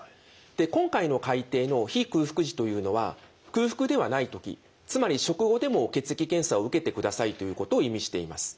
で今回の改訂の非空腹時というのは空腹ではない時つまり食後でも血液検査を受けてくださいということを意味しています。